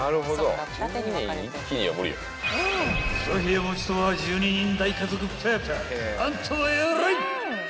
［２部屋持ちとは１２人大家族パパあんたは偉い！］